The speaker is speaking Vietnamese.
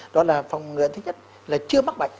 đó là phòng ngừa thứ nhất là chưa mắc bệnh